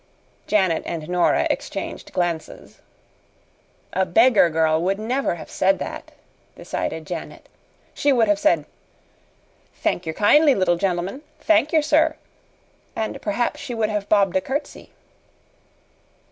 Janet and Nora exchanged glances. "A beggar girl would never have said that," decided Janet. "She would have said, 'Thank yer kindly, little gentleman thank yer, sir;' and perhaps she would have bobbed a curtsy."